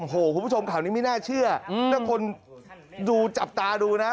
โอ้โหคุณผู้ชมข่าวนี้ไม่น่าเชื่อถ้าคนดูจับตาดูนะ